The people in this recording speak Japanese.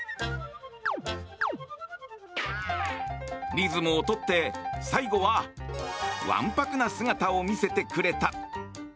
リズムをとって最後はわんぱくな姿を見せてくれた。